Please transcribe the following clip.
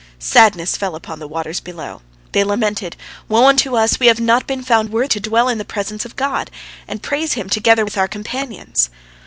Sadness fell upon the waters below. They lamented: "Woe unto us, we have not been found worthy to dwell in the presence of God, and praise Him together with our companions."